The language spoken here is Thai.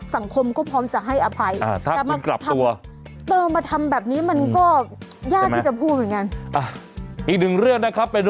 สังคมก็พร้อมจะให้อภัยอ่าถ้าคือกลับตัว